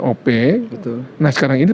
o p nah sekarang ini